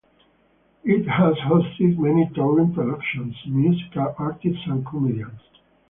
It has hosted many touring productions, musical artists and comedians.